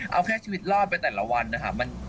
เอาแค่ชีวิตรอดไปแต่ละวันนะคะ